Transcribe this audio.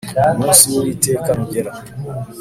Umunsi w’Uwiteka nugera